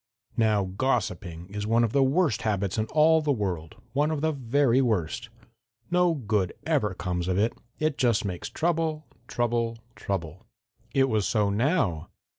"Now, gossiping is one of the worst habits in all the world, one of the very worst. No good ever comes of it. It just makes trouble, trouble, trouble. It was so now.